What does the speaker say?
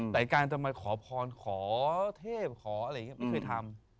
แต่การจะมาขอพรขอเทพขออะไรอย่างนี้ไม่เคยทำ